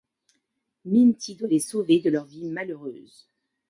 Minty doit les sauver de leurs vies malheureuses.